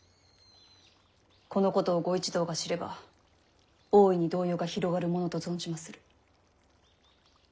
このことを御一同が知れば大いに動揺が広がるものと存じまする。